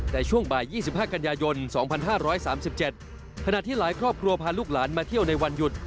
แต่ช่วงบ่าย๒๕กันยายน๒๕๓๗ขณะที่หลายครอบครัวพาลูกหลานมาเที่ยวในวันหยุด